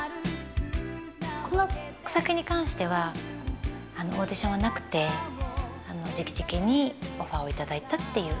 この作品に関してはオーディションはなくてじきじきにオファーを頂いたっていう形で。